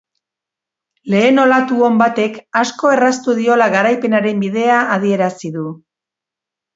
Lehen olatu on batek asko erraztu diola garaipenaren bidea adierazi du.